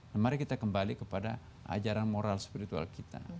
nah mari kita kembali kepada ajaran moral spiritual kita